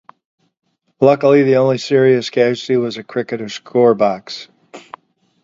Luckily, the only serious casualty was a cricket scorebox.